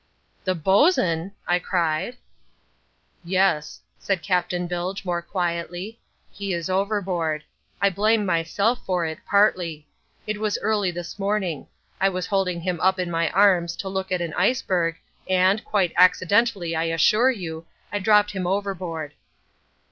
"The bosun!" I cried. "Yes," said Captain Bilge more quietly, "he is overboard. I blame myself for it, partly. It was early this morning. I was holding him up in my arms to look at an iceberg and, quite accidentally I assure you—I dropped him overboard."